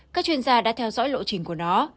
các chuyên gia đã theo dõi lộ trình của nó